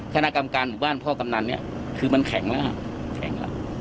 คณะกรรมการหมู่บ้านพ่อกำนันเนี่ยคือมันแข็งแล้วแข็งแล้ว